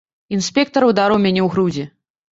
Інспектар ударыў мяне ў грудзі.